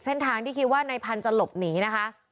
เส้นทางที่คิดว่านายพันธุ์จะหลบหนีนะคะ